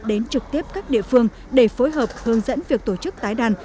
đến trực tiếp các địa phương để phối hợp hướng dẫn việc tổ chức tái đàn